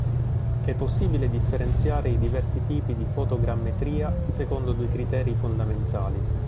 È possibile differenziare i diversi tipi di fotogrammetria secondo due criteri fondamentali.